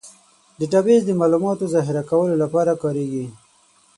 ډیټابیس د معلوماتو ذخیره کولو لپاره کارېږي.